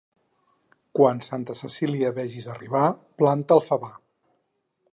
Quan Santa Cecília vegis arribar, planta el favar.